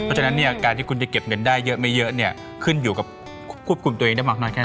เพราะฉะนั้นเนี่ยการที่คุณจะเก็บเงินได้เยอะไม่เยอะเนี่ยขึ้นอยู่กับควบคุมตัวเองได้มากน้อยแค่ไหน